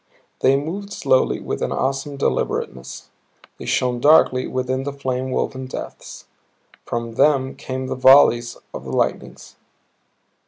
They moved slowly, with an awesome deliberateness. They shone darkly within the flame woven depths. From them came the volleys of the lightnings.